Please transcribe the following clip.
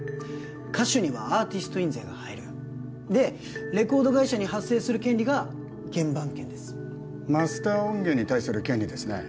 歌手にはアーティスト印税が入るでレコード会社に発生する権利が原盤権ですマスター音源に対する権利ですね